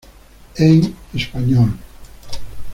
En español.